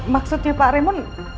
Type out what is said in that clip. maksudnya pak remo